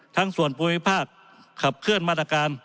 ทั้งส่วนภูมิภาคด้วยแสนของมาถการ